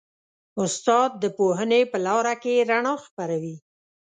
استاد د پوهنې په لاره کې رڼا خپروي.